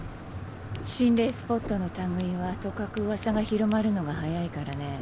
心霊スポットの類いはとかくうわさが広まるのが早いからね。